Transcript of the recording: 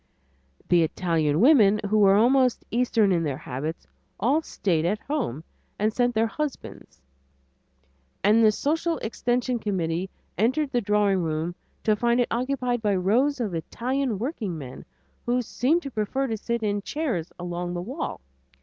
The Italian women, who were almost eastern in their habits, all stayed at home and sent their husbands, and the social extension committee entered the drawing room to find it occupied by rows of Italian workingmen, who seemed to prefer to sit in chairs along the wall.